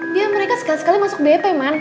dian mereka sekali sekali masuk bp man